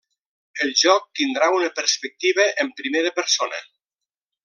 El joc tindrà una perspectiva en primera persona.